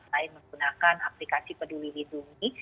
selain menggunakan aplikasi peduli lindungi